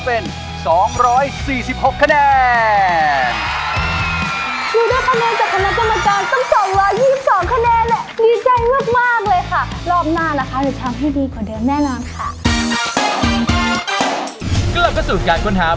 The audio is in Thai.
ผ่าน